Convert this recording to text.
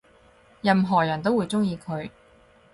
任何人都會鍾意佢